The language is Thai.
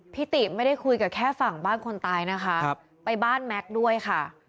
ติไม่ได้คุยกับแค่ฝั่งบ้านคนตายนะคะไปบ้านแม็กซ์ด้วยค่ะ